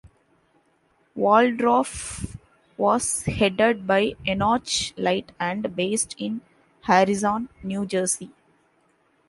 Waldorf was headed by Enoch Light and based in Harrison, New Jersey.